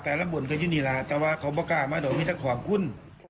ตายลำบ่นกับยุนิลาแต่ว่าเขาไม่กล้ามาด่วนมีทั้งขวาคุณ